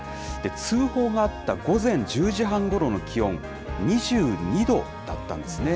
通報があった午前１０時半ごろの気温、２２度だったんですね。